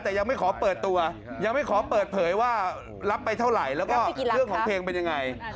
แต่ยังไม่ขอเปิดตัวยังไม่ขอเปิดเผยว่ารับไปเท่าไหร่แล้วก็เรื่องของเพลงเป็นยังไง